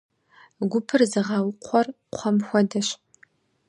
Гупыр зыгъэукхъуэр кхъуэм хуэдэщ.